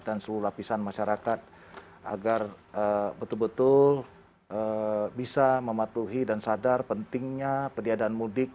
dan seluruh lapisan masyarakat agar betul betul bisa mematuhi dan sadar pentingnya perniagaan modik